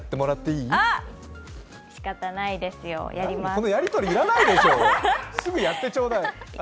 このやりとり、要らないでしょう、すぐやってちょうだい。